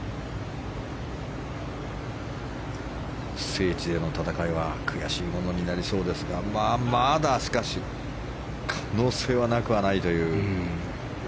聖地での戦いは悔しいものになりそうですがまだ、しかし可能性はなくはないという。